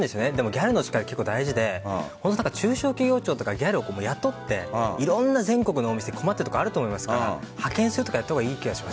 ギャルの力は大事で中小企業庁とかギャルを雇っていろんな全国のお店困ってるところあると思いますから派遣することやったほうがいいと思う。